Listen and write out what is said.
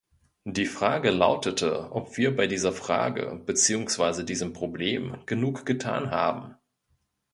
Die Frage lautete, ob wir bei dieser Frage beziehungsweise diesem Problem genug getan haben.